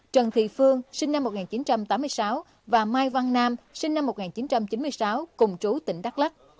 trần thị phương sinh năm một nghìn chín trăm tám mươi sáu và mai văn nam sinh năm một nghìn chín trăm chín mươi sáu cùng trú tỉnh đắk lắc